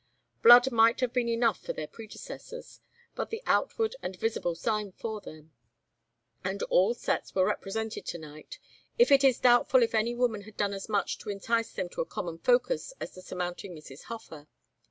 Blood might have been enough for their predecessors, but the outward and visible sign for them. And all sets were represented to night. It is doubtful if any woman had done as much to entice them to a common focus as the surmounting Mrs. Hofer.